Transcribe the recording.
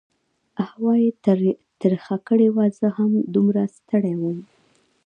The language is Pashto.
هوا یې تربخه کړې وه، زه هم دومره ستړی وم.